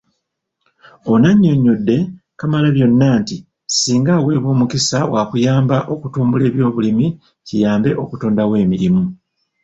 Ono annyonnyodde Kamalabyonna nti singa aweebwa omukisa waakuyamba okutumbula eby'obulimi kiyambe okutondawo emirimu.